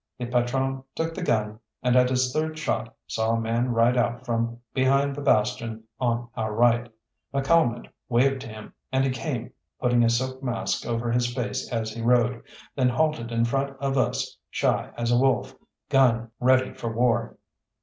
The patrone took the gun, and at his third shot saw a man ride out from behind the bastion on our right. McCalmont waved to him, and he came, putting a silk mask over his face as he rode, then halted in front of us, shy as a wolf, gun ready for war.